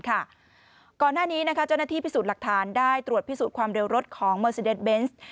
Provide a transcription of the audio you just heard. ก่อนหน้านี้เจ้าหน้าที่พิสูจน์หลักฐานได้ตรวจพิสูจน์ความเร็วรถของเมอร์ซีเดสเบนส์